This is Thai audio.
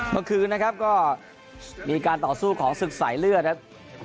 เมื่อคืนนะครับก็มีการต่อสู้ของศึกสายเลือดครับ